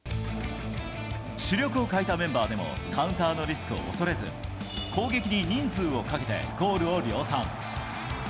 主力を欠いたメンバーでもカウンターのリスクを恐れず、攻撃に人数をかけてゴールを量産。